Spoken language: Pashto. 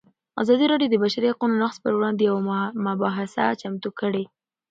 ازادي راډیو د د بشري حقونو نقض پر وړاندې یوه مباحثه چمتو کړې.